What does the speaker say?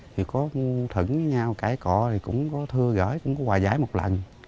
thì có thử nhau cãi cọ thì cũng có thưa gửi cũng có quà giải một lần